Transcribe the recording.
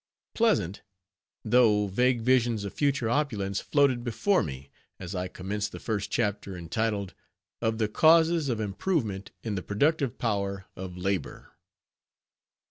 Pleasant, though vague visions of future opulence floated before me, as I commenced the first chapter, entitled _"Of the causes of improvement in the productive power of labor."